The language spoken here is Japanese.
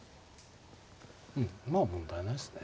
うんまあ問題ないですね。